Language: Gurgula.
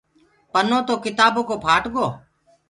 پنو تو ڪِتآبو ڪو ڦآٽ گو۔